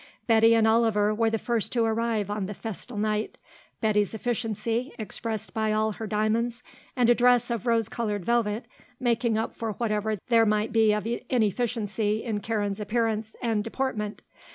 Betty and Oliver were the first to arrive on the festal night, Betty's efficiency, expressed by all her diamonds and a dress of rose coloured velvet, making up for whatever there might be of inefficiency in Karen's appearance and deportment.